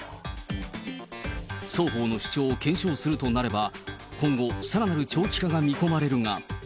双方の主張を検証するとなれば、今後、さらなる長期化が見込まれるが。